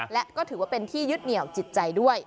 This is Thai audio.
และก็ถือว่าเป็นที่ยึดเหนียวจิตใจด้วย